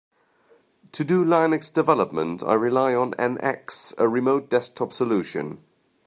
To do Linux development, I rely on NX, a remote desktop solution.